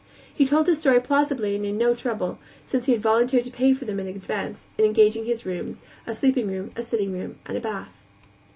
He told his story plausibly and had no trouble, since he volunteered to pay for them in advance, in engaging his rooms; a sleeping room, sitting room, and bath.